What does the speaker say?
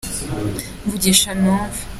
mvugisha numve